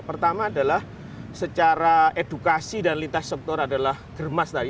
pertama adalah secara edukasi dan lintas sektor adalah germas tadi